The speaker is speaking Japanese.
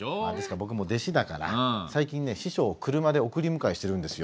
僕も弟子だから最近ね師匠を車で送り迎えしてるんですよ。